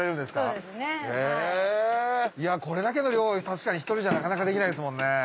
これだけの量を確かに１人じゃなかなかできないですもんね。